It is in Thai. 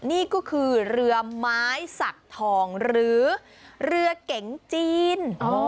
นี่ก็คือเรือไม้สักทองหรือเรือเก๋งจีน